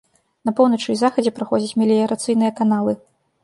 На поўначы і захадзе праходзяць меліярацыйныя каналы.